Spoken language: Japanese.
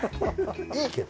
いいけど。